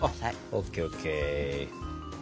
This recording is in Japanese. ＯＫＯＫ。